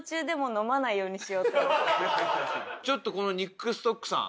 そこのちょっとこのニックストックさん